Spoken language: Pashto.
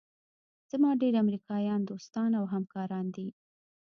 زما ډېر امریکایان دوستان او همکاران دي.